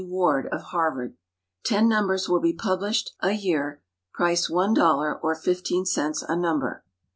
Ward, of Harvard. Ten numbers will be published a year, price $1.00, or 15 cents a number.